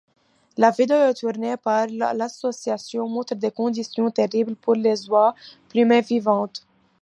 La vidéo tournée par l'association montre des conditions terribles pour les oies, plumées vivantes.